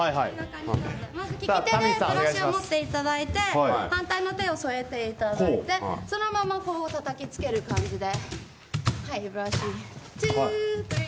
まず利き手で持っていただいて反対の手を添えていただいてそのままたたきつける感じで。